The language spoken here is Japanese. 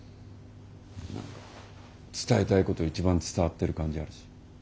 何か伝えたいこと一番伝わってる感じあるし。